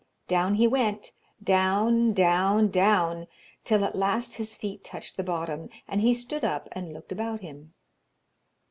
Down he went, down, down, down, till at last his feet touched the bottom, and he stood up and looked about him.